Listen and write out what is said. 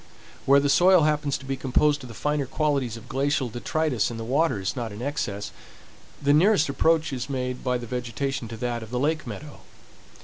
Where the soil happens to be composed of the finer qualities of glacial detritus and the water is not in excess, the nearest approach is made by the vegetation to that of the lake meadow.